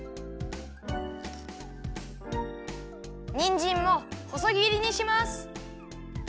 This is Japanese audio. にんじんもほそぎりにします。